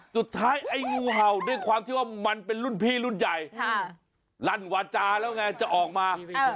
ไอ้งูเห่าด้วยความที่ว่ามันเป็นรุ่นพี่รุ่นใหญ่ลั่นวาจาแล้วไงจะออกมา